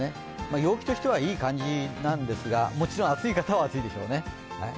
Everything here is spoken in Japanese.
陽気としてはいい感じなんですがもちろん暑い方は暑いでしょうね。